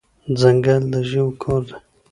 ځنګل د ژوو کور دی.